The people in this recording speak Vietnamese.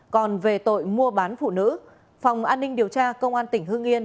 còn về tội mua bán phụ nữ phòng an ninh điều tra công an tỉnh hương yên